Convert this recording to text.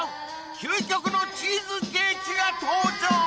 究極のチーズケーキが登場！